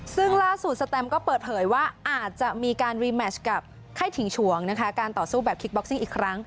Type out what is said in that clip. ซึ่งล่าสุดสแตมก็เปิดเผยว่าอาจจะมีการรีแมชกับไข้ถิ่งฉวงนะคะการต่อสู้แบบคิกบ็อกซิ่งอีกครั้ง